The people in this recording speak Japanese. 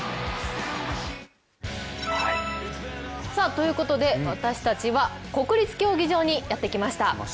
ということで、私たちは国立競技場にやってきました。